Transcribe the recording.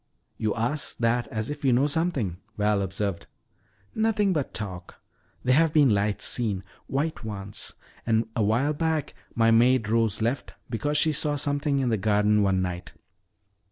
You ask that as if you know something," Val observed. "Nothing but talk. There have been lights seen, white ones. And a while back my maid Rose left because she saw something in the garden one night."